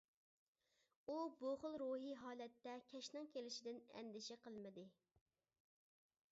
ئۇ بۇ خىل روھىي ھالەتتە كەچنىڭ كېلىشىدىن ئەندىشە قىلمىدى.